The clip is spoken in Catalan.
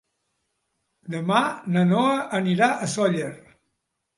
Demà na Noa anirà a Sóller.